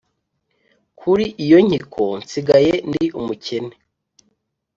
Kuri iyo nkiko nsigaye ndi mukene